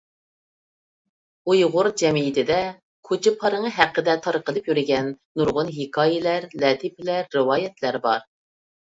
ئۇيغۇر جەمئىيىتىدە كوچا پارىڭى سۈپىتىدە تارقىلىپ يۈرگەن نۇرغۇن ھېكايىلەر، لەتىپىلەر، رىۋايەتلەر بار.